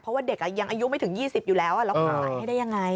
เพราะว่าเด็กยังอายุไม่ถึง๒๐อยู่แล้วแล้วคุณขายให้ได้ยังไง